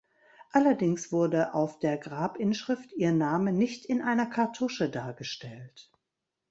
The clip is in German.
Allerdings wurde auf der Grabinschrift ihr Name nicht in einer Kartusche dargestellt.